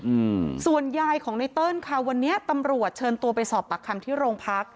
อืมส่วนยายของไนเติ้ลค่ะวันนี้ตำรวจเชิญตัวไปสอบปากคำที่โรงพัก